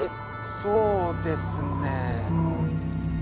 そうですね。